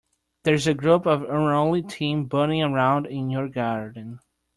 There's a group of unruly teens bumming around in your garden.